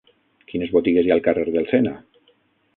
Quines botigues hi ha al carrer del Sena?